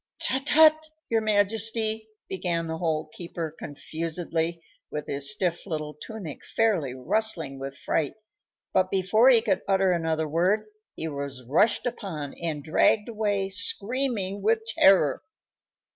"Tut! Tut! your majesty," began the Hole keeper, confusedly, with his stiff little tunic fairly rustling with fright; but before he could utter another word he was rushed upon and dragged away, screaming with terror.